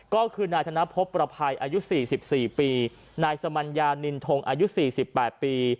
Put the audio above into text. ก็คือนายธนพบประภัยอายุ๔๔ปีนายสมัญญานินทงอายุ๔๘ปี